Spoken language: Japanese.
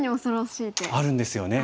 あるんですよね。